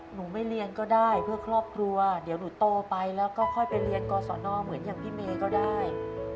หนูไม่เรียนก็ได้เพื่อครอบครัวเดี๋ยวหนูโตไปแล้วก็ค่อยไปเรียนกศนเหมือนอย่างพี่เมย์ก็ได้